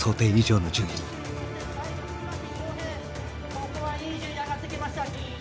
「ここはいい順位で上がってきました」。